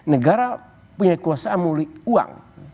negara punya kekuasaan melalui uang